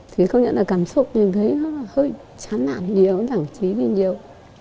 thì không nhận là cảm xúc thì thấy hơi chán nản nhiều đẳng trí nhiều